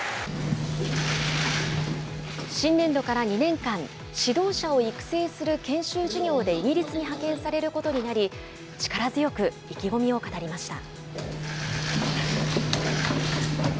新年度から２年間、指導者を育成する研修事業でイギリスに派遣されることになり、力強く意気込みを語りました。